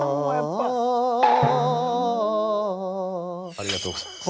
ありがとうございます。